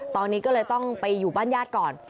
ตอนนี้ก็เลยต้องไปอยู่บ้านญาติก่อน